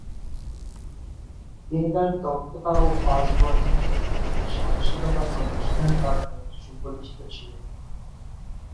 তিনি তার দক্ষতা ও ফাস্ট বোলিংয়ের বিপরীতে সাহসিকতা প্রদর্শনের কারণে সুপরিচিত ছিলেন।